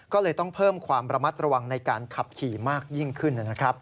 ก็เลยต้องเพิ่มความระมัดระวังในการขับขี่มากยิ่งขึ้นนะครับ